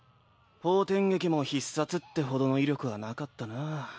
「方天戟」も必殺ってほどの威力はなかったなぁ。